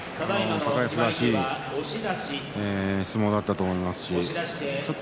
高安らしい相撲だったと思います。